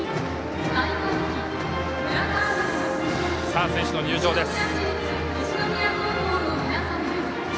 さあ、選手の入場です。